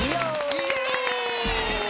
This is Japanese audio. イェーイ！